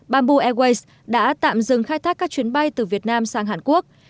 bamboo airways đã tạm dừng khai thác các chuyến bay từ việt nam sang hàn quốc